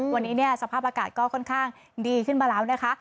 วันนี้เนี่ยสภาพอากาศก็ค่อนข้างดีขึ้นมาแล้วนะคะ